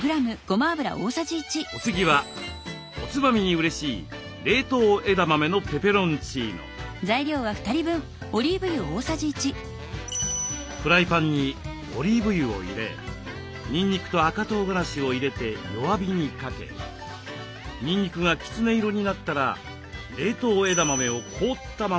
お次はおつまみにうれしいフライパンにオリーブ油を入れにんにくと赤とうがらしを入れて弱火にかけにんにくがきつね色になったら冷凍枝豆を凍ったまま投入。